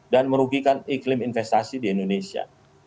dan merugikan iklim investasi di indonesia